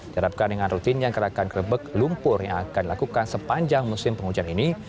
dari rutin yang kerebek lumpur yang akan dilakukan sepanjang musim penghujan ini